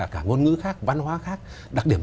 cả ngôn ngữ khác văn hóa khác đặc điểm